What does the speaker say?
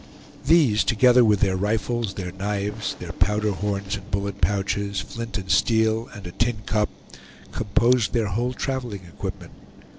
These, together with their rifles, their knives, their powder horns and bullet pouches, flint and steel and a tincup, composed their whole traveling equipment.